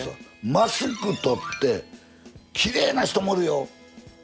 マスクとってきれいな人もおるよ。